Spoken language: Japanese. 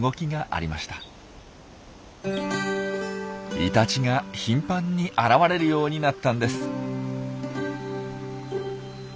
イタチが頻繁に現れるようになったんです。